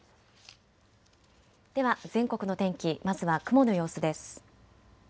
では全国の天気、まずは雲の様子です。